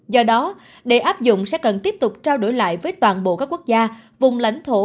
do đó để áp dụng sẽ cần tiếp tục trao đổi lại với toàn bộ các quốc gia vùng lãnh thổ